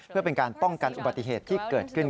เพื่อเป็นการป้องกันอุบัติเหตุที่เกิดขึ้น